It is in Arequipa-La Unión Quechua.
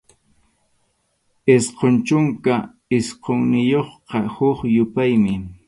Isqun chunka isqunniyuqqa huk yupaymi.